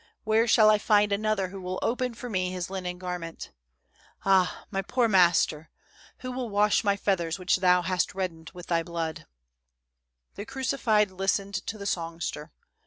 Where shall I find another who will open for me his linen gar ment ? Ah ! my poor master, who will wash my feath ers which Thou hast reddened with Thy blood ?'" The crucified listened to the songster.